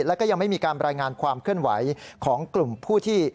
แล้วก็ยังไม่มีการรายงานความเคลื่อนไหวของกลุ่มผู้ที่